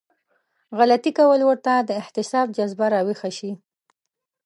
غلطي کول ورته د احتساب جذبه راويښه شي.